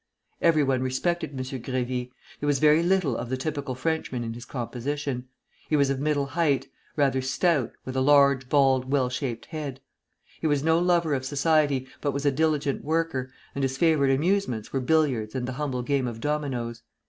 Everyone respected M. Grévy. There was very little of the typical Frenchman in his composition. He was of middle height, rather stout, with a large bald, well shaped head. He was no lover of society, but was a diligent worker, and his favorite amusements were billiards and the humble game of dominoes.